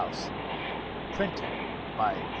PRINTING BY REV.